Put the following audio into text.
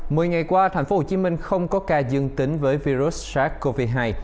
mười ngày qua thành phố hồ chí minh không có ca dương tính với virus sars cov hai